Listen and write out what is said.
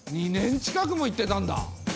２年近くも行ってたんだ！